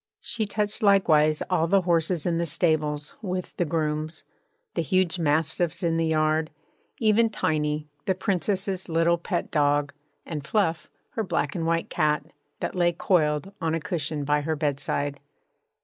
She touched likewise all the horses in the stables, with the grooms; the huge mastiffs in the yard; even Tiny, the Princess's little pet dog, and Fluff, her black and white cat, that lay coiled on a cushion by her bedside.